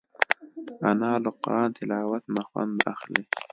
انا له قرآن تلاوت نه خوند اخلي